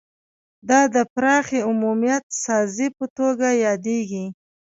دا د پراخې عمومیت سازۍ په توګه یادیږي